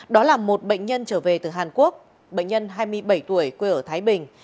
đó là một bệnh nhân trở về từ hàn quốc bệnh nhân hai mươi bảy tuổi quê ở thái bình